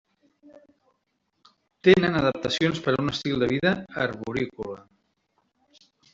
Tenen adaptacions per a un estil de vida arborícola.